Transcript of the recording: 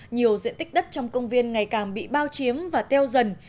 nhiều diện tích đất trong công viên ngày càng bị bao chiếm và teo dần